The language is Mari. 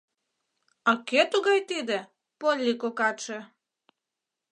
А кӧ тугай тиде, Полли кокатше?